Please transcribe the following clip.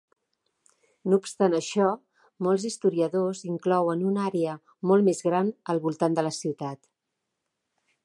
No obstant això, molts historiadors inclouen un àrea molt més gran al voltant de la ciutat.